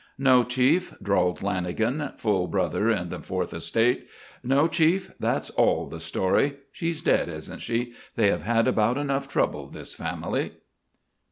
"No, Chief," drawled Lanagan, full brother in the Fourth Estate. "No, Chief, that's all the story. She's dead, isn't she? They have had about enough trouble, this family."